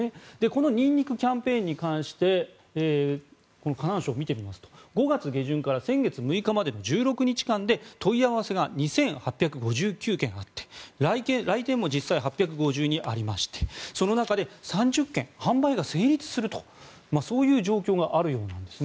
このニンニクキャンぺ−ンに関して河南省を見てみますと５月下旬から先月６日までの１６日間で問い合わせが２８５９件あって来店も実際８５２件あってその中で３０件販売が成立するとそういう状況があるようなんです